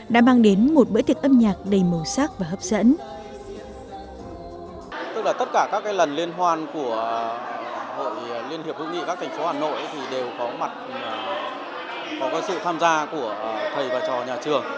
đã mang đến một bữa tiệc âm nhạc đầy màu sắc và hấp dẫn